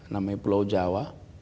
namanya pulau jawa